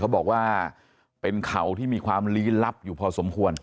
เขาบอกว่าเป็นเขาที่มีความลี้ลับอยู่พอสมควร